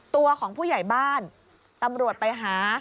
ตัวของผู้ใหญ่บ้านตำรวจไปหา